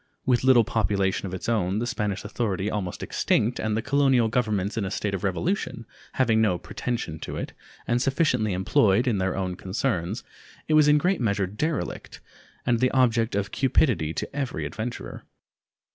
With little population of its own, the Spanish authority almost extinct, and the colonial governments in a state of revolution, having no pretension to it, and sufficiently employed in their own concerns, it was in great measure derelict, and the object of cupidity to every adventurer.